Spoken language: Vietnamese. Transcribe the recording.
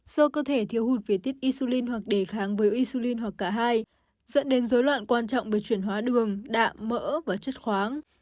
do cơ thể thiếu hụt về tích insulin hoặc đề kháng với insulin hoặc cả hai dẫn đến dối loạn quan trọng về chuyển hóa đường đạm mỡ và chất khoáng